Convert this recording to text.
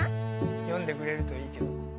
よんでくれるといいけど。